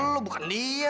lo bukan dia